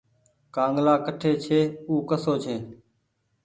ڪآنگلآ ڪٺي ڇي ۔او ڪسو ڇي۔